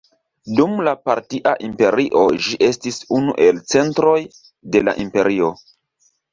Dum la Partia Imperio ĝi estis unu el centroj de la imperio.